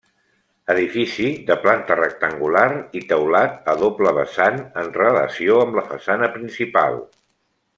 Edifici de planta rectangular i teulat a doble vessant en relació amb la façana principal.